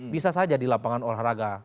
bisa saja di lapangan olahraga